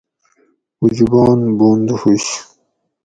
اُجبان بند ہُوش